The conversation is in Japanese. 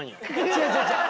違う違う違う！